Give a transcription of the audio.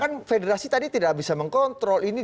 kan federasi tadi tidak bisa mengkontrol ini